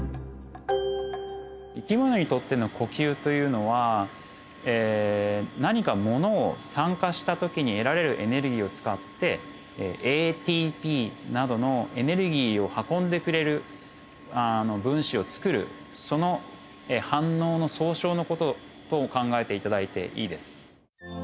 生き物にとっての呼吸というのはえ何かものを酸化した時に得られるエネルギーを使ってＡＴＰなどのエネルギーを運んでくれる分子をつくるその反応の総称の事と考えて頂いていいです。